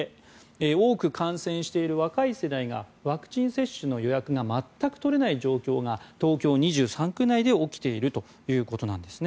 多く感染している若い世代がワクチン接種の予約が全く取れない状況が東京２３区内で起きているということなんです。